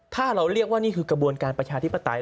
ถ้าเราเรียกว่านี่คือกระบวนการประชาธิปไตย